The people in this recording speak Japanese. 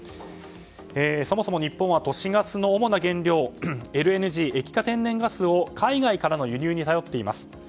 そもそも日本は都市ガスの主な原料ＬＮＧ・液化天然ガスを海外からの輸入に頼っています。